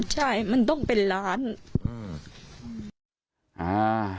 ใช่มันต้องเป็นล้าน